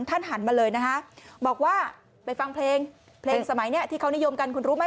หันมาเลยนะคะบอกว่าไปฟังเพลงเพลงสมัยเนี้ยที่เขานิยมกันคุณรู้ไหม